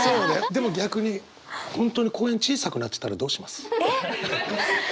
でも逆に本当に公園小さくなってたらどうします？えっ。